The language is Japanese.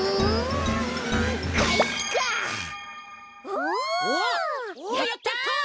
おおやった！